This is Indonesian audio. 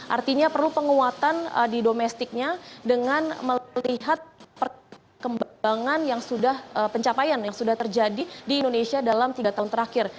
artinya perlu penguatan di domestiknya dengan melihat perkembangan yang sudah pencapaian yang sudah terjadi di indonesia dalam tiga tahun terakhir